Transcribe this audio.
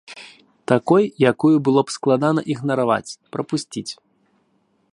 Такой, якую было б складана ігнараваць, прапусціць.